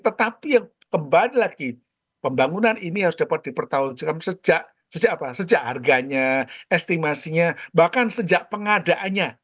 tetapi yang kembali lagi pembangunan ini harus dapat dipertanggungjawabkan sejak harganya estimasinya bahkan sejak pengadaannya